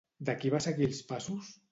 De qui va seguir els passos?